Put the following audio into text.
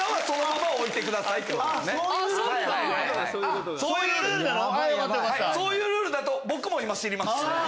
そういうことか。